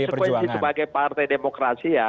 konsekuensi sebagai partai demokrasi ya